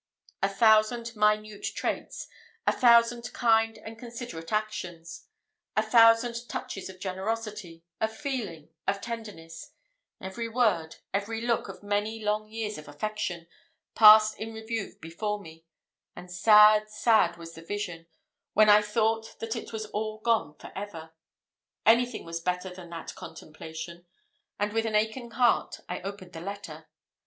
A thousand minute traits a thousand kind and considerate actions a thousand touches of generosity, of feeling, of tenderness every word, every look of many long years of affection, passed in review before me; and sad, sad was the vision, when I thought that it was all gone for ever. Anything was better than that contemplation; and with an aching heart, I opened the letter.